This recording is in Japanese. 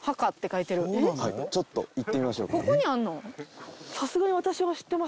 ちょっと行ってみましょう。